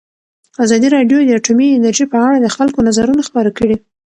ازادي راډیو د اټومي انرژي په اړه د خلکو نظرونه خپاره کړي.